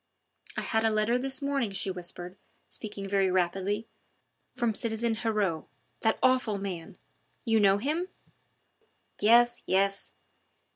"I had a letter this morning," she whispered, speaking very rapidly, "from citizen Heriot that awful man you know him?" "Yes, yes!"